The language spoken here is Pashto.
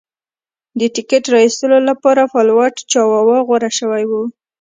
د ټکټ را ایستلو لپاره فالوټ چاواوا غوره شوی و.